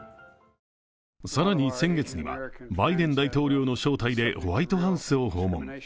更に先月にはバイデン大統領の招待でホワイトハウスを訪問。